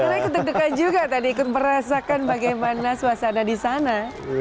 sebenarnya deg degan juga tadi ikut merasakan bagaimana suasana di sana